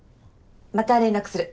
また連絡する。